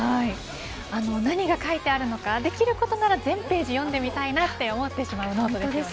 何が書いてあるのかできることなら全ページ読んでみたいなと思ってしまいますよね。